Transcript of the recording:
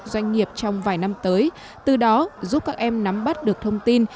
doanh nghiệp trong vài năm tới từ đó giúp các em nắm bắt được thông tin